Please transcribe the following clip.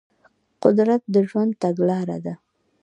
قدرت د ژوند تګلاره ده.